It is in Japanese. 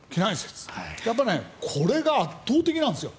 やっぱりこれが圧倒的なんですよ。